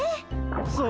そう。